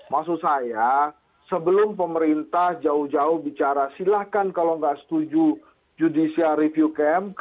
maksud saya sebelum pemerintah jauh jauh bicara silahkan kalau nggak setuju judicial review camp